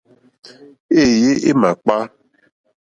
Éèyé é màkpá.